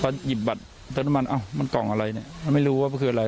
เขารู้เสิร์ชดูได้ว่านี่คืออะไร